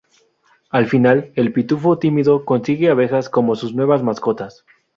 Al final, el Pitufo Tímido consigue abejas como sus nuevas mascotas.